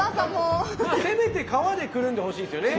まあせめて皮でくるんでほしいですよね。